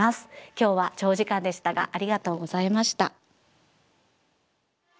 今日は長時間でしたがありがとうございました。